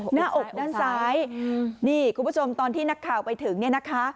หน้าอกด้านซ้ายนี่คุณผู้ชมตอนที่นักข่าวไปถึงเนี่ยนะคะ